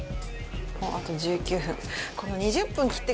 あっあと１９分。